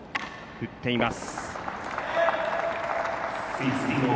振っています。